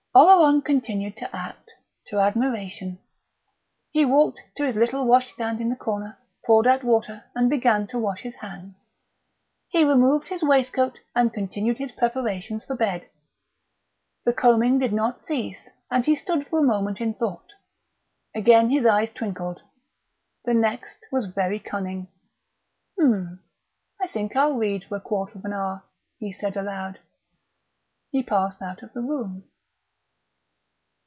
Oleron continued to act to admiration. He walked to his little washstand in the corner, poured out water, and began to wash his hands. He removed his waistcoat, and continued his preparations for bed. The combing did not cease, and he stood for a moment in thought. Again his eyes twinkled. The next was very cunning "Hm!... I think I'll read for a quarter of an hour," he said aloud.... He passed out of the room.